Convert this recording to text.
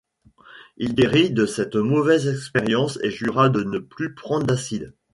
Il guérit de cette mauvaise expérience et jura de ne plus prendre d'acide.